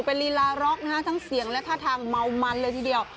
เป็นลีลาร็อกนะฮะทั้งเสียงและท่าทางเมามันเลยทีเดียว